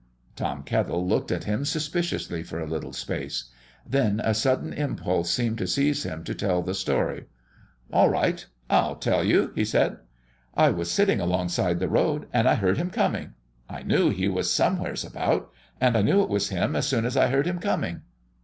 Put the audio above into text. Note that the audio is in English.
Tom Kettle looked at him suspiciously for a little space. Then a sudden impulse seemed to seize him to tell the story. "All right; I'll tell you," he said. "I was sitting alongside the road, and I heard Him coming. I knew He was somewheres about, and I knew it was Him as soon as I heard Him coming."